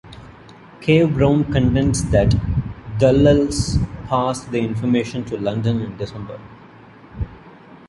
Cave Brown contends that Dulles passed the information to London in December.